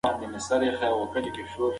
پلور او پېرود باید آسانه شي.